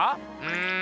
うん。